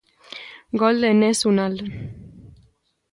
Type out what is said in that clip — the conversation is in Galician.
Gol de Enes Unal.